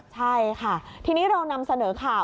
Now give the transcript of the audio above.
ใช่ค่ะทีนี้เรานำเสนอข่าว